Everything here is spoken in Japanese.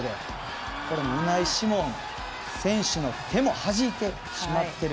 ウナイ・シモン選手の手もはじいてしまっている。